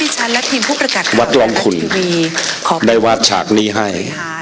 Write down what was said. ถ้าจะปรบมือก็ขอบคุณอาจารย์เฉลิมชัยวัดลองคุณได้วาดฉากนี้ให้